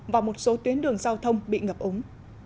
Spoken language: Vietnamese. và một số tuyến đường giao thông bị ngập ống